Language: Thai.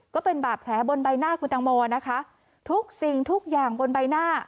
ก็เป็นบาดแผลบนใบหน้าคุณตังโมนะคะทุกสิ่งทุกอย่างบนใบหน้า